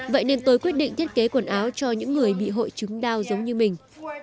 vậy nên tôi quyết định thiết kế quần áo cho những người bị hội chứng đao giống như mình